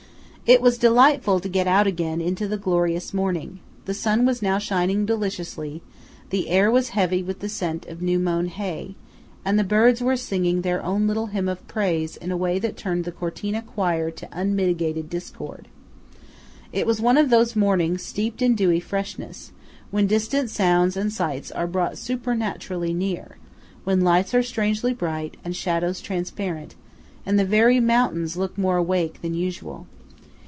It was delightful to get out again into the glorious morning. The sun was now shining deliciously; the air was heavy with the scent of new mown hay; and the birds were singing their own little Hymn of Praise in a way that turned the Cortina choir to unmitigated discord. It was one of those mornings steeped in dewy freshness, when distant sounds and sights are brought supernaturally near, when lights are strangely bright, and shadows transparent, and the very mountains look more awake than usual.